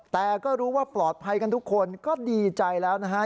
แต่ก็รู้ว่าปลอดภัยกันทุกคนก็ดีใจแล้วนะฮะ